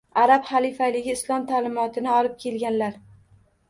Arab xalifaligi islom taʼlimotini olib kelganlar.